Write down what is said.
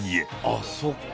あっそっか。